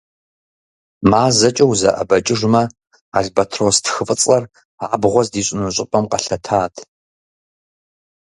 МазэкӀэ узэӀэбэкӀыжымэ, албатрос тхыфӀыцӀэр абгъуэ здищӀыну щӀыпӀэм къэлъэтат.